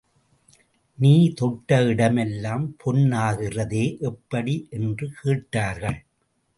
நீ தொட்ட இடமெல்லாம் பொன் ஆகிறதே எப்படி? என்று கேட்டார்கள்.